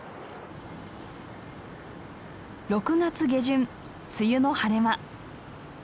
６月下旬梅雨の晴れ間。